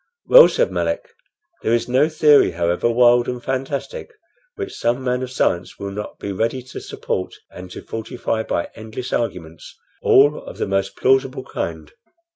"Well," said Melick, "there is no theory however wild and fantastic, which some man of science will not be ready to support and to fortify by endless arguments, all of the most plausible kind.